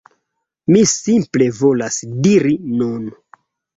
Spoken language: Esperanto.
Mi simple volas diri nun